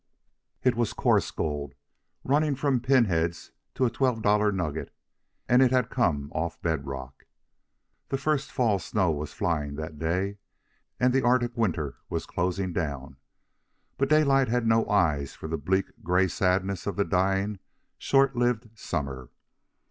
It was coarse gold, running from pinheads to a twelve dollar nugget, and it had come from off bed rock. The first fall snow was flying that day, and the Arctic winter was closing down; but Daylight had no eyes for the bleak gray sadness of the dying, short lived summer.